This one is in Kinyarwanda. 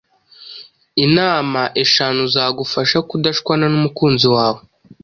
Inama eshanu zagufasha kudashwana n'umukunzi wawe